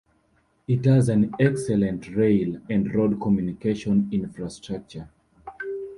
It has an excellent rail and road communication infrastructure.